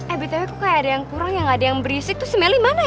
eh btw kok kayak ada yang kurang ya gak ada yang berisik tuh si melih mana ya